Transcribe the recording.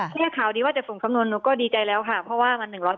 แค่ข่าวดีว่าจะส่งสำนวนหนูก็ดีใจแล้วค่ะเพราะว่ามัน๑๐